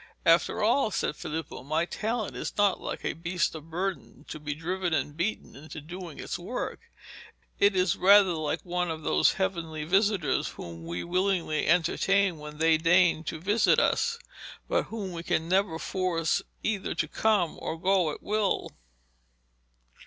'After all,' said Filippo, 'my talent is not like a beast of burden, to be driven and beaten into doing its work. It is rather like one of those heavenly visitors whom we willingly entertain when they deign to visit us, but whom we can never force either to come or go at will.'